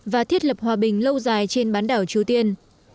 và thiết lập hòa bình lâu dài trên bán đảo triều tiên